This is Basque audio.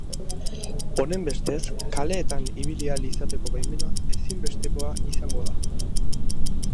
Honenbestez, kaleetan ibili ahal izateko baimena ezinbestekoa izango da.